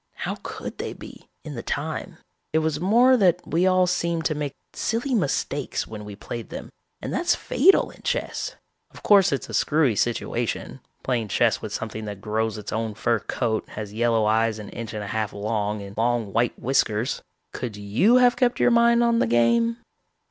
How could they be, in the time? It was more that we all seemed to make silly mistakes when we played them and that's fatal in chess. Of course it's a screwy situation, playing chess with something that grows its own fur coat, has yellow eyes an inch and a half long and long white whiskers. Could you have kept your mind on the game?